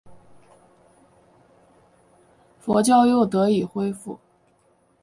佛教又得以恢复。